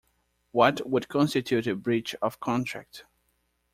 What would constitute a breach of contract?